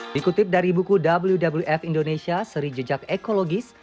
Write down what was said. dikutip dari buku wwf indonesia seri jejak ekologis